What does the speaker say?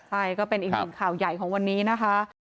ใช่ก็เป็นอีกหนึ่งข่าวใหญ่ของวันนี้นะคะ